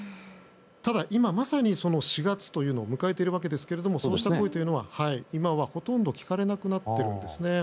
ただ、今まさにその４月というのを迎えているわけですけどもそうした声というのは今はほとんど聞かれなくなっているんです。